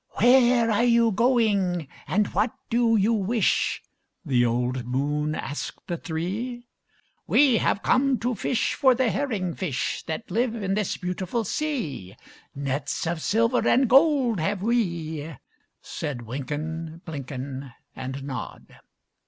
"Where are you going, and what do you wish?" The old moon asked the three. "We have come to fish for the herring fish That live in this beautiful sea; Nets of silver and gold have we," Said Wynken, Blynken, And Nod.